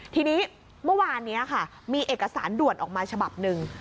ทีนี้เมื่อวานนี้ค่ะมีเอกสารด่วนออกมาฉบับหนึ่ง